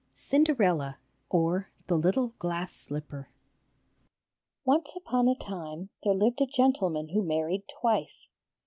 _ CINDERELLA OR THE LITTLE GLASS SLIPPER Once upon a time there lived a gentleman who married twice.